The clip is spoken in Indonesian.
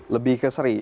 lebih ke seri